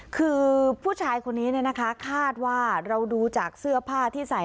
คือผู้ชายคนนี้เนี่ยนะคะคาดว่าเราดูจากเสื้อผ้าที่ใส่